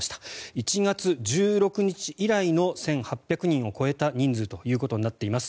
１月１６日以来の１８００人を超えた人数となっています。